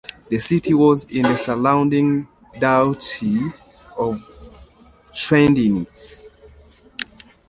The city was in the surrounding Duchy of Schweidnitz.